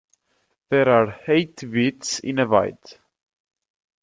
There are eight bits in a byte.